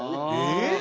えっ？